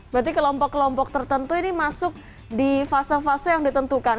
berarti kelompok kelompok tertentu ini masuk di fase fase yang ditentukan